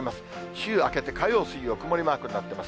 週明けて火曜、水曜、曇りマークになってます。